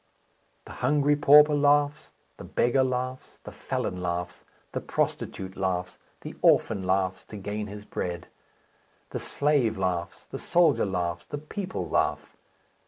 The hungry pauper laughs, the beggar laughs, the felon laughs, the prostitute laughs, the orphan laughs to gain his bread; the slave laughs, the soldier laughs, the people laugh.